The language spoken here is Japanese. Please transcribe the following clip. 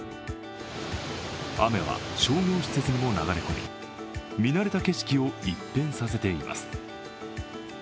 雨は商業施設にも流れ込み、見慣れた景色を一変させています。